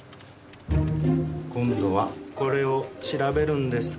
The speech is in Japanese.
今度はこれを調べるんですか？